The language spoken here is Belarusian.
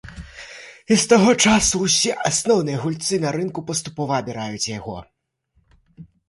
І з таго часу ўсе асноўныя гульцы на рынку паступова абіраюць яго.